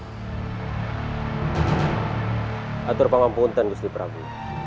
hatur pangampuntan gusti prabu